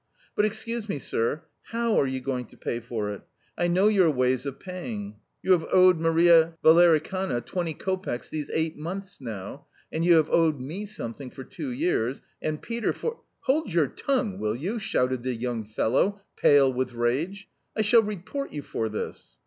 "But excuse me, sir; HOW are you going to pay for it? I know your ways of paying. You have owed Maria Valericana twenty copecks these eight months now, and you have owed me something for two years, and Peter for " "Hold your tongue, will you!" shouted the young fellow, pale with rage, "I shall report you for this."